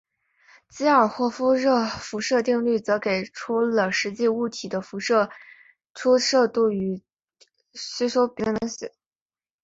基尔霍夫热辐射定律则给出了实际物体的辐射出射度与吸收比之间的关系。